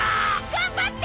頑張って！